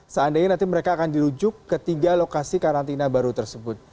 seandainya nanti mereka akan dirujuk ke tiga lokasi karantina baru tersebut